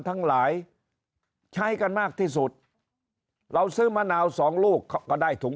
ทั้งหลายใช้กันมากที่สุดเราซื้อมะนาวสองลูกก็ได้ถุง